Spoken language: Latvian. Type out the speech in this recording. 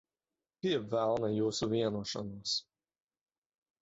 Pie velna jūsu vienošanos.